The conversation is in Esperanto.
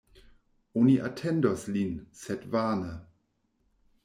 Oni atendos lin, sed vane.